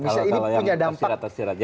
kalau yang tersirat tersirat